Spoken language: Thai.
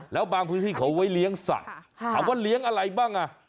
แล้วบางพื้นที่เขาไว้เลี้ยงสัตว์ถามว่าเลี้ยงอะไรบ้างอ่ะ